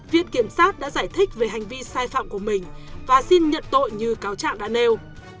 viện kiểm sát đã giải thích về hành vi sai phạm của mình và xin nhận tội như cáo trạng đã nêu